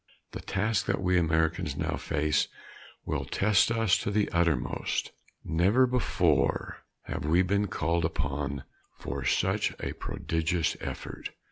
The task that we Americans now face will test us to the uttermost. Never before have we been called upon for such a prodigious effort.